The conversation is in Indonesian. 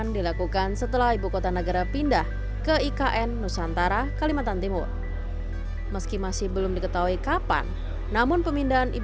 butuh waktu berapa lama mas proses selesai ktp nya